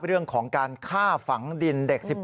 เรื่องของการฆ่าฝังดินเด็ก๑๖